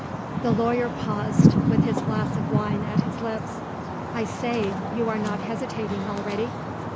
The lawyer paused, with his glass of wine at his lips. "I say! You're not hesitating already?"